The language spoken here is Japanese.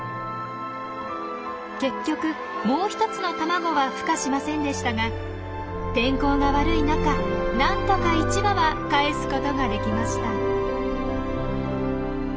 結局もう一つの卵はふ化しませんでしたが天候が悪い中なんとか１羽はかえすことができました。